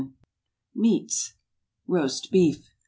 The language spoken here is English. MEATS. ROAST BEEF.